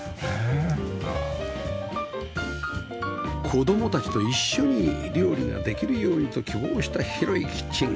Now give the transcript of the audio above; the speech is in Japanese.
子供たちと一緒に料理ができるようにと希望した広いキッチン